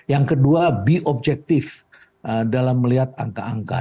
yang kedua be objektif dalam melihat angka angka